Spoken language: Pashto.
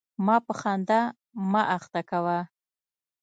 ما په ګناه مه اخته کوه.